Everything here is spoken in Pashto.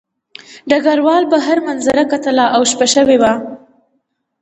ډګروال بهر منظره کتله او شپه شوې وه